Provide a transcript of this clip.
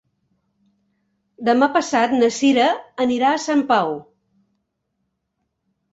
Demà passat na Sira anirà a Santa Pau.